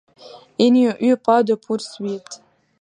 Il n'y eut pas de poursuites.